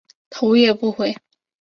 头也不回